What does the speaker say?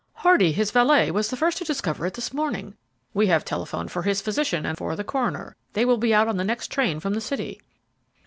"Hardy, his valet, was the first to discover it this morning. We have telephoned for his physician and for the coroner; they will be out on the next train from the city."